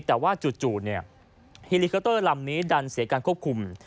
แต่ว่าจู่ฮิลิคอปเตอร์ลำนี้ดันเสียการควบคุม